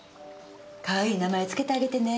可愛い名前付けてあげてね。